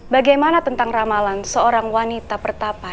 bagaimana tentang ramalan seorang wanita pertama